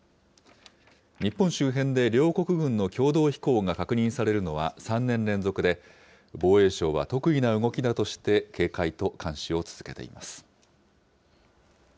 日本周辺で両国軍の共同飛行が確認されるのは３年連続で、防衛省は特異な動きだとして警戒と監視を続けています。